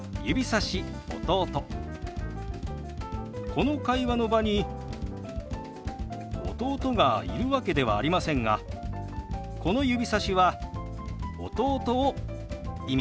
この会話の場に弟がいるわけではありませんがこの指さしは弟を意味しています。